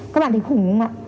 các bạn thấy khủng không ạ